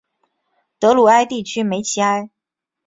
德鲁艾地区梅齐埃。